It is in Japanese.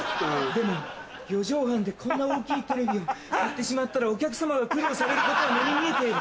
でも四畳半でこんな大きいテレビを買ってしまったらお客さまが苦労されることは目に見えている。